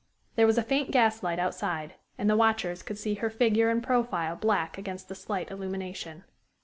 There was a faint gaslight outside, and the watchers could see her figure and profile black against the slight illumination.